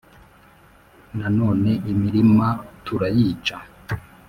na none imirima turayica